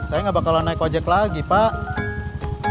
saya nggak bakalan naik ojek lagi pak